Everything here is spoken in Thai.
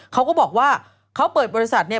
เขาก็บอกว่าเขาเปิดบริษัทเนี่ย